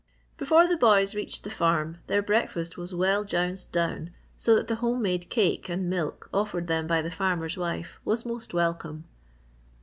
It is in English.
Before the boys reached the farm their breakfast was well jounced down so that the home made cake and milk offered them by the Captain's wife was most welcome.